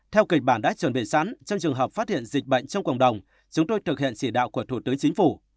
theo kịch bản đã chuẩn bị sẵn trong trường hợp phát hiện dịch bệnh trong cộng đồng chúng tôi thực hiện chỉ đạo của thủ tướng chính phủ